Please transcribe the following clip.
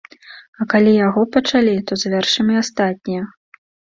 А калі яго пачалі, то завяршым і астатнія.